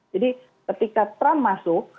jadi ketika trump masuk